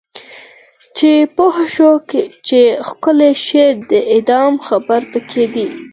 چې پوه شو د ښکلی شعر د اعدام خبر پکې دی